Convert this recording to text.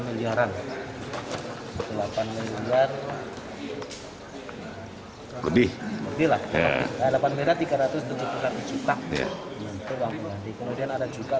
delapan miliar lebih lebih lebih lah ya dapat merah tiga ratus tujuh puluh tujuh juta ya itu wang ganti kemudian ada juga